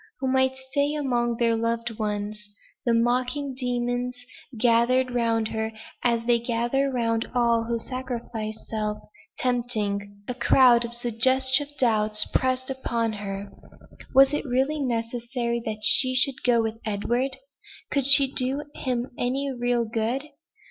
who might stay among their loved ones. The mocking demons gathered round her, as they gather round all who sacrifice self, tempting. A crowd of suggestive doubts pressed upon her. "Was it really necessary that she should go with Edward? Could she do him any real good?